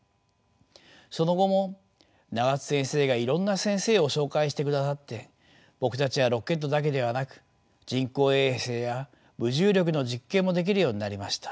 その後も永田先生がいろんな先生を紹介してくださって僕たちはロケットだけではなく人工衛星や無重力の実験もできるようになりました。